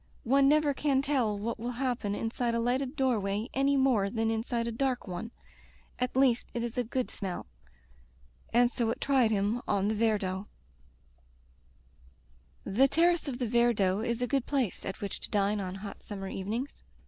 One never can tell what will happen inside a lighted door way any more than in side a dark one. At least it is a good smell/' and so it tried him on the Viardot. The terrace of the Viardot is a good place at which to dine on hot summer evenings.